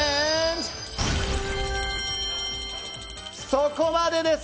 そこまでです！